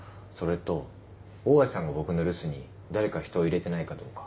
それと大家さんが僕の留守に誰か人を入れてないかどうか。